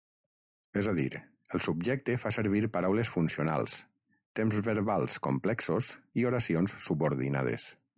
És a dir, el subjecte fa servir paraules funcionals, temps verbals complexos i oracions subordinades.